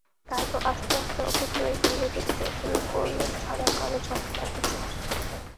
তারপর আস্তে আস্তে অপু ত্রয়ী ফিরে পেতে শুরু করল সাদা-কালো ঝকমকে চেহারা।